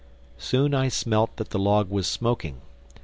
Soon I smelt that the log was smoking.